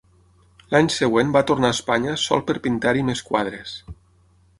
L'any següent va tornar a Espanya sol per pintar-hi més quadres.